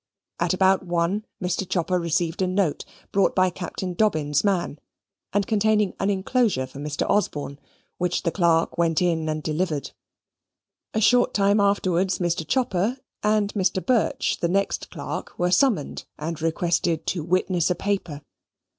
At about one Mr. Chopper received a note brought by Captain Dobbin's man, and containing an inclosure for Mr. Osborne, which the clerk went in and delivered. A short time afterwards Mr. Chopper and Mr. Birch, the next clerk, were summoned, and requested to witness a paper.